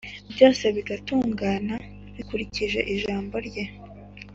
byose bigatungana bikurikije ijambo rye.